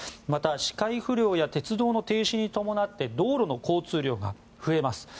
また、視界不良や鉄道の停止に伴って道路の交通量が増えます。